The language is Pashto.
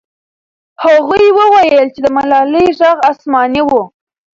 هغوی وویل چې د ملالۍ ږغ آسماني و.